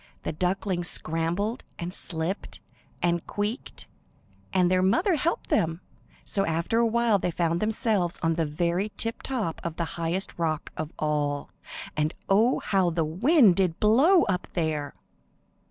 The ducklings scrambled and slipped and queeked, and their mother helped them; so after a while they found themselves on the very tip top of the highest rock of all, and oh, how the wind did blow up there.